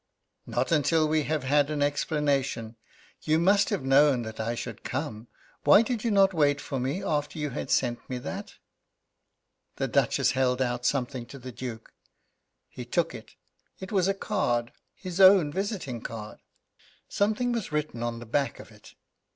"Not until we have had an explanation. You must have known that I should come. Why did you not wait for me after you had sent me that?" The Duchess held out something to the Duke. He took it. It was a card his own visiting card. Something was written on the back of it.